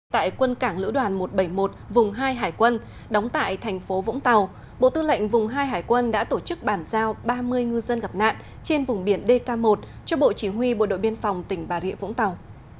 tại quân cảng lữ đoàn một trăm bảy mươi một vùng hai hải quân đóng tại thành phố vũng tàu bộ tư lệnh vùng hai hải quân đã tổ chức bản giao ba mươi ngư dân gặp nạn trên vùng biển dk một cho bộ chỉ huy bộ đội biên phòng tỉnh bà rịa vũng tàu